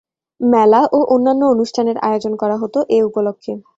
মেলা ও অন্যান্য অনুষ্ঠানের আয়োজন করা হত এ উপলক্ষে।